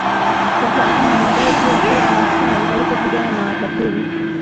Wataalamu wanadai kuwa kila Wamasai walipopigana na Wataturu